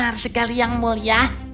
benar sekali yang mulia